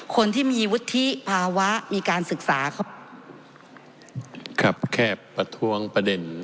คนที่มีวุฒิภาวะมีการศึกษาครับครับแค่ประท้วงประเด็น